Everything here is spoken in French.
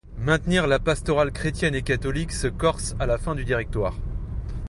Maintenir la pastorale chrétienne et catholique se corse à la fin du Directoire.